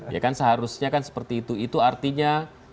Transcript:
ya kan seharusnya kan seperti itu itu artinya